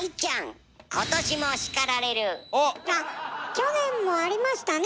去年もありましたね